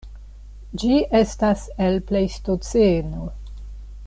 Ĝi estas el Plejstoceno.